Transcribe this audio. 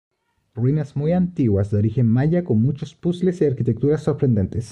Ruinas muy antiguas de origen maya con muchos puzzles y arquitecturas sorprendentes.